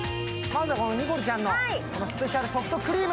ニコルちゃんのスペシャルソフトクリーム。